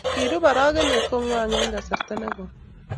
kirub arokenee koing'wang eng kasarta ne koi .